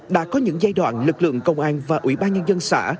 đã có những giai đoạn lực lượng công an và ủy ban nhân dân xã